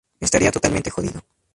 Estaría totalmente jodido.